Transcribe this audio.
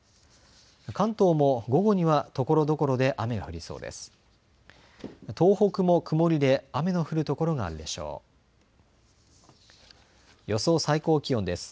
関東も午後にはところどころで雨が降りそうです。